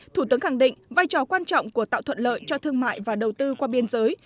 thủ tướng khẳng định vai trò quan trọng của tạo thuận lợi cho thương mại và đầu tư qua biên giới